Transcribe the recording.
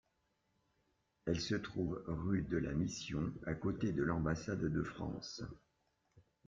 Elle se trouve rue de la Mission, à côté de l'ambassade de France.